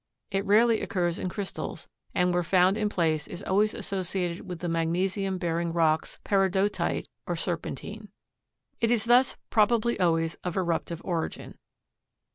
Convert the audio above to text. It rarely occurs in crystals, and where found in place is always associated with the magnesium bearing rocks, peridotite or serpentine. It is thus probably always of eruptive origin.